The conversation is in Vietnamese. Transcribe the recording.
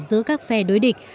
giữa các phê đối địch